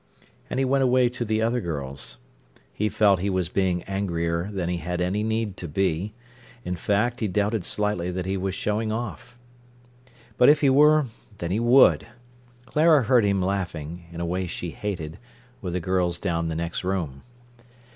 And he went away to the other girls. He felt he was being angrier than he had any need to be. In fact, he doubted slightly that he was showing off. But if he were, then he would. Clara heard him laughing, in a way she hated, with the girls down the next room.